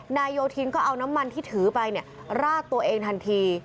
โยธินก็เอาน้ำมันที่ถือไปราดตัวเองทันที